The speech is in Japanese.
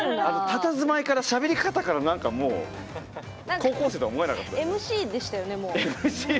たたずまいから、しゃべり方から高校生とは思えない。